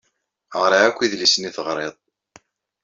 Ɣriɣ akk idlisen i teɣriḍ.